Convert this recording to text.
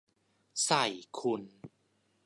ใส่คุณ